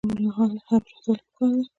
د نورو له حاله عبرت ولې پکار دی؟